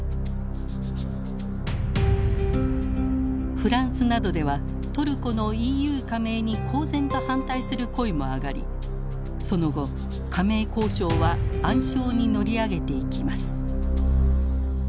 フランスなどではトルコのＥＵ加盟に公然と反対する声も上がりその後加盟交渉は暗礁に乗り上げていきます。